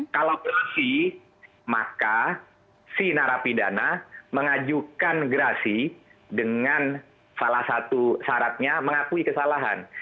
kalau gerasi maka si narapidana mengajukan gerasi dengan salah satu syaratnya mengakui kesalahan